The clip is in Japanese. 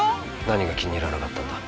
何が気に入らなかったんだ